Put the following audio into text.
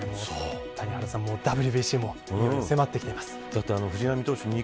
谷原さん、もうＷＢＣもいよいよ迫ってきています。